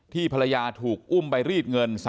ภรรยาถูกอุ้มไปรีดเงิน